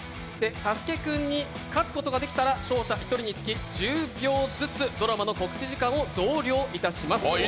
サスケくんに勝つことができたら勝者１人につき１０秒ずつドラマの告知時間を増量いたします。